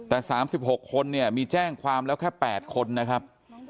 แต่๓๖คนเนี่ยมีแจ้งความแล้วแค่๘คนนะครับ